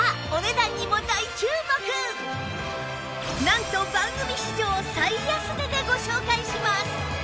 なんと番組史上最安値でご紹介します！